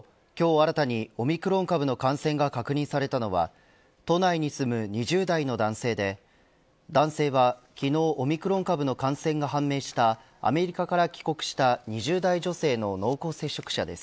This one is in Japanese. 新たにオミクロン株の感染が確認されたのは都内に住む２０代の男性で男性は昨日、オミクロン株の感染が判明したアメリカから帰国した２０代女性の濃厚接触者です。